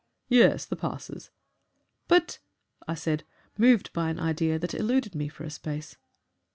"Yes, the passes." "But " I said, moved by an idea that eluded me for a space.